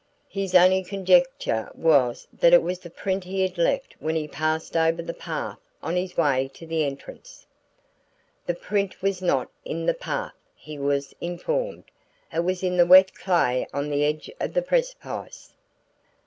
His only conjecture was that it was the print he had left when he passed over the path on his way to the entrance. The print was not in the path, he was informed; it was in the wet clay on the edge of the precipice.